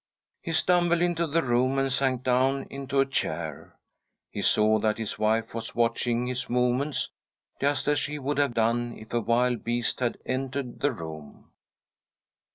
He stumbled into the room and sank down into a chair. He saw that his wife was watching his movements, just as she would have done if a wild • beast had entered the room.